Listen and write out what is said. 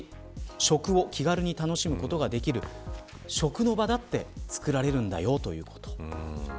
食を気軽に楽しむことができる食の場だって作られるということ。